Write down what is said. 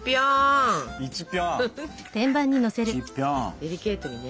デリケートにね。